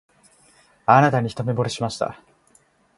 あなたに一目ぼれしました